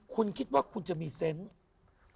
คุณคิดว่าคุณจะมีเซนต์